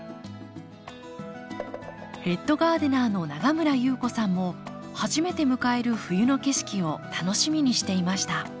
ヘッドガーデナーの永村裕子さんも初めて迎える冬の景色を楽しみにしていました